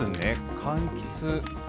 かんきつ。